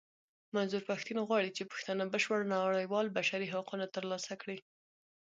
منظور پښتين غواړي چې پښتانه بشپړ نړېوال بشري حقونه ترلاسه کړي.